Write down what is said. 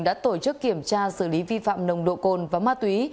đã tổ chức kiểm tra xử lý vi phạm nồng độ cồn và ma túy